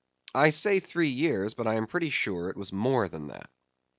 I say three years, but I am pretty sure it was more than that.